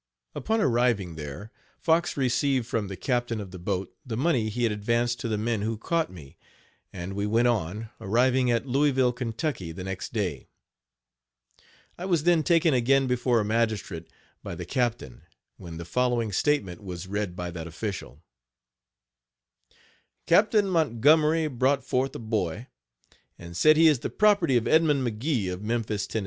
Upon arriving there, Fox received from the captain of the boat the money he had advanced to the men who caught me; and we went on, arriving at Louisville, Ky., the next day. I was then taken again before a magistrate, by the captain, when the following statement was read by that official: "Captain Montgomery brought forth a boy, and said he is the property of Edmund McGee, of Memphis, Tenn.